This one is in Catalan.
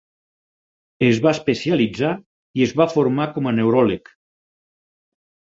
Es va especialitzar i es va formar com a neuròleg.